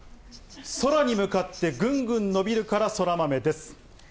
空に向かってぐんぐん伸びるから、そら豆です。